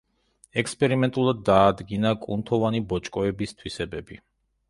ექსპერიმენტულად დაადგინა კუნთოვანი ბოჭკოების თვისებები.